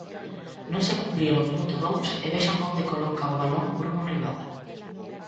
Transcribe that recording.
Non se cumprira o minuto dous e vexan onde coloca o balón Bruno Rivada.